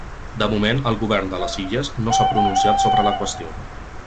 De moment, el govern de les Illes no s’ha pronunciat sobre la qüestió.